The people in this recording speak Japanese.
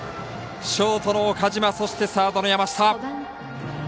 ショートの岡島そしてサードの山下。